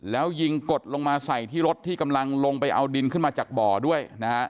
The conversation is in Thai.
แล้วยิงกดลงมาใส่ที่รถที่กำลังลงไปเอาดินขึ้นมาจากบ่อด้วยนะฮะ